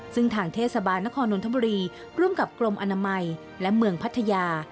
ซึ่งทางเทศบาลนครนนทบุรีร่วมกับกรมอนามัยและเมืองพัทยา